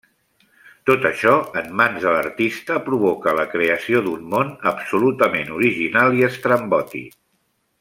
Tot això, en mans de l'artista, provoca la creació d'un món absolutament original i estrambòtic.